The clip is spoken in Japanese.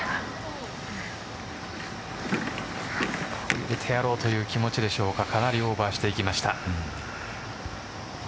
入れてやろうという気持ちでしょうかかなりオーバーしていきました。